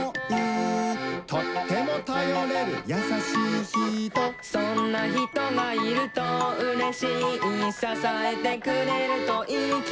「とってもたよれるやさしいひと」「そんなひとがいるとうれしい」「ささえてくれるといいきもち」